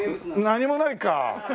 何もないか。